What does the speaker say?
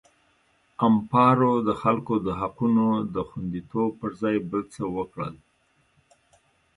امپارو د خلکو د حقونو د خوندیتوب پر ځای بل څه وکړل.